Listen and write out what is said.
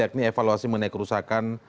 yakni evaluasi menaik kerusakan